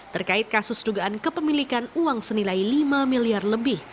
terkait kasus dugaan kepemilikan uang senilai lima miliar lebih